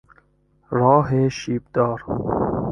راه شیبدار